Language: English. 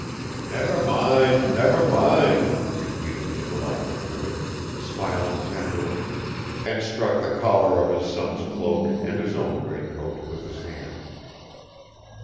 "Never mind, never mind," repeated Nikolai Petrovich, smiling tenderly, and struck the collar of his son's cloak and his own greatcoat with his hand.